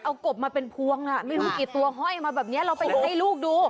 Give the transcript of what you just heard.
เอากบมาเป็นพวงอ่ะไม่รู้กี่ตัวห้อยมาแบบนี้เราไปให้ลูกดู